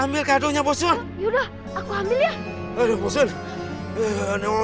ambil kadonya boson yura aku ambil ya